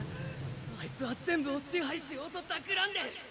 あいつは全部を支配しようと企んでる！